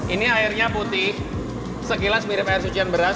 ini airnya putih sekilas mirip air sucian beras